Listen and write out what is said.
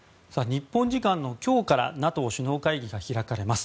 日本時間の今日からＮＡＴＯ首脳会議が開かれます。